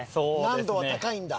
難度は高いんだ。